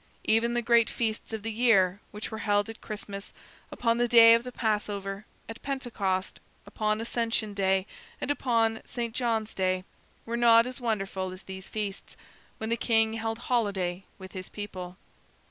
Even the great feasts of the year, which were held at Christmas, upon the day of the Passover, at Pentecost, upon Ascension day, and upon St. John's day, were not as wonderful as these feasts, when the king held holiday with his people.